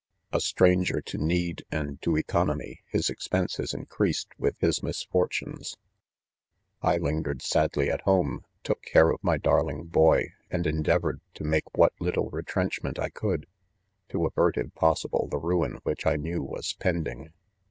A stranger to need and fee economy, his expen ses increased with his misfortunes. " I lingered sadly at home, took eare of my darling boy, and endeavored to make what little retrenchment I could^ to avert, if possi ble, the ruin which I knew was pending.